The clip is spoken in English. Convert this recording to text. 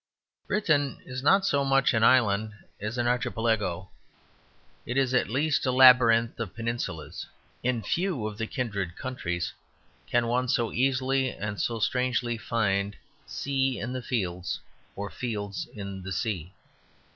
Britain is not so much an island as an archipelago; it is at least a labyrinth of peninsulas. In few of the kindred countries can one so easily and so strangely find sea in the fields or fields in the sea.